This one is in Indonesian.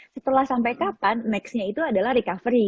setelah sampai kapan next nya itu adalah recovery